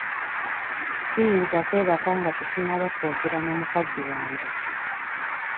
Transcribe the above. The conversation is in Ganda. Siyinza kwebaka nga tetunnaba kwogera na mukazi wange.